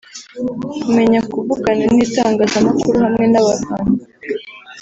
kumenya kuvugana n’itangazamakuru hamwe n’abafana